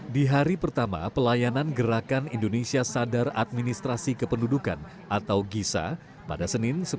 di hari pertama pelayanan gerakan indonesia sadar administrasi kependudukan atau gisa pada senin